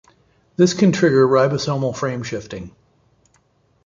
This can trigger ribosomal frameshifting.